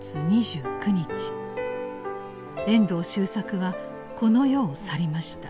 遠藤周作はこの世を去りました。